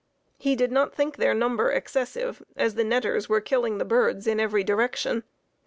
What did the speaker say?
He did not think their number excessive, as the netters were killing the birds in every direction.